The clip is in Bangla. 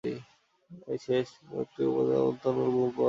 তার এই শেষোক্ত ধারণাটি অবশ্য বর্তমানকালে ভুল প্রমাণিত হয়েছে।